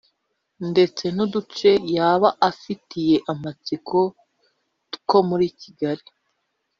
ndetse n’uduce yaba afitiye amatsiko two muri Kigali